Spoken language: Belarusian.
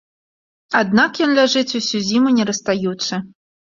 Аднак ён ляжыць усю зіму, не растаючы.